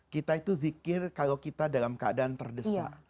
kita itu zikir kalau kita dalam keadaan terdesak